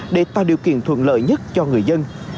để tạo điều kiện thuận lợi nhất cho người dân